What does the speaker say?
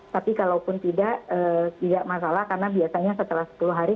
tapi kalau pun tidak tidak masalah karena biasanya setelah sepuluh hari